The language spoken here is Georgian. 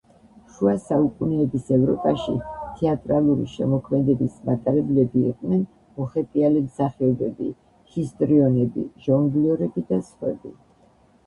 შუა საუკუნეების ევროპაში თეატრალური შემოქმედების მატარებლები იყვნენ მოხეტიალე მსახიობები: ჰისტრიონები, ჟონგლიორები და სხვები.